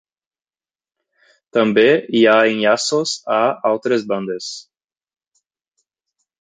També hi ha enllaços a altres bandes.